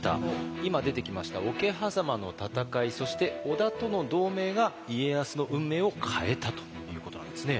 今出てきました桶狭間の戦いそして織田との同盟が家康の運命を変えたということなんですね。